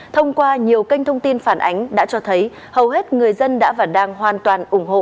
thông qua nhiều kênh thông tin phản ánh đã cho thấy hầu hết người dân đã và đang hoàn toàn ủng hộ